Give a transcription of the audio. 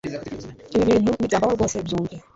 ibi bintu ntibyambaho rwose byumve